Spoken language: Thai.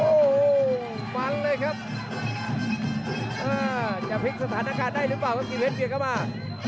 โอ้โหฟันเลยครับอ่าจะพลิกสถานการณ์ได้หรือเปล่าครับกิ่งเพชรเบียดเข้ามา